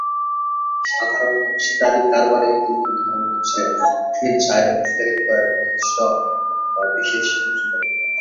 সাধারণ অংশীদারি কারবারের দুটি ধরন হচ্ছে স্বেচ্ছায় অংশীদারিত্ব এবং নির্দিষ্ট বা বিশেষ অংশীদারিত্ব।